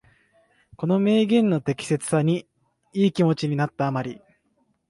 この名言の適切さにいい気持ちになった余り、